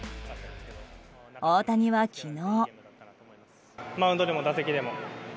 大谷は昨日。